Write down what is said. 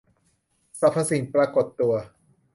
สรรพสิ่งปรากฏตัว